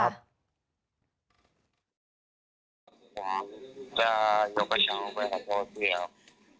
ผมจะยกวัดเช้าไปค่ะตอนนี้ครับ